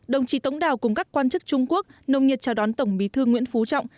đồng chí tống đào cùng các quan chức trung quốc nồng nhiệt chào đón tổng bí thư nguyễn phú trọng